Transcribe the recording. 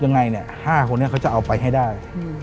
ยังไงเนี่ย๕คนนี้เขาจะเอาไปให้ได้